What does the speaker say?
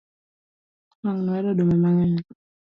Wang'ni wayudo oduma mang'eny